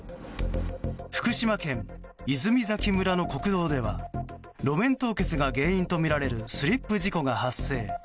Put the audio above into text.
福島県泉崎村の国道では路面凍結が原因とみられるスリップ事故が発生。